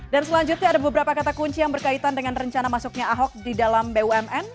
dan selanjutnya ada beberapa kata kunci yang berkaitan dengan rencana masuknya ahok di dalam bumn